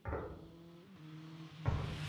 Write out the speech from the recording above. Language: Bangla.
মহেন্দ্র তাহার জবাব না দিয়াই চলিয়া গেল।